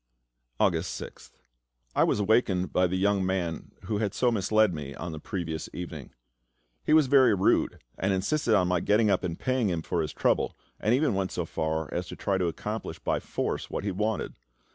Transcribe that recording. August 6th. I was awakened by the young man who had so misled me on the previous evening. He was very rude, and insisted on my getting up and paying him for his trouble, and even went so far as to try to accomplish by force what he wanted.